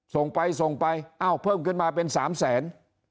ส่งไปส่งไปอ้าวเพิ่มขึ้นมาเป็น๓แสน